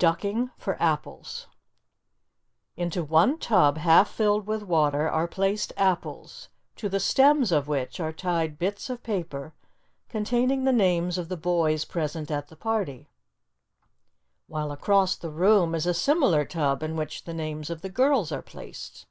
DUCKING FOR APPLES Into one tub half filled with water are placed apples to the stems of which are tied bits of paper containing the names of the boys present at the party, while across the room is a similar tub in which the names of the girls are placed.